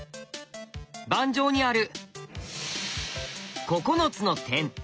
盤上にある９つの点。